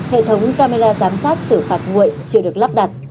hệ thống camera giám sát xử phạt nguội chưa được lắp đặt